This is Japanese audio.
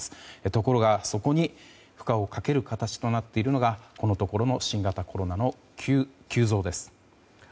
ところが、そこに負荷をかける形となっているのがこのところの新型コロナの急増です。